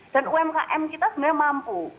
dan umkm kita sebenarnya mampu